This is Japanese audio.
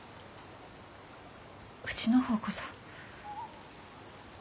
うちの方こそ。